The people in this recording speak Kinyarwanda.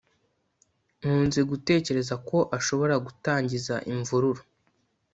nkunze gutekereza ko ashobora gutangiza imvururu